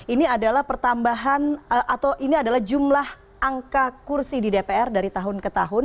ini adalah jumlah angka kursi di dpr dari tahun ke tahun